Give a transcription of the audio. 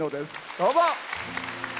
どうぞ。